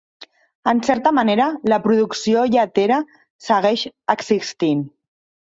En certa manera, la producció lletera segueix existint.